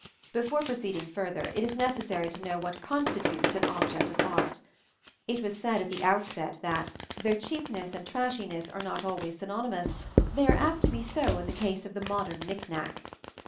Before proceeding further, it is necessary to know what constitutes an object of art. It was said at the outset that, though cheapness and trashiness are not always synonymous, they are apt to be so in the case of the modern knick knack.